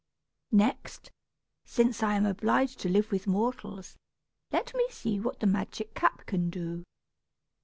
"Next, since I am obliged to live with mortals, let me see what the magic cap can do."